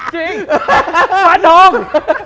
จริงมะนง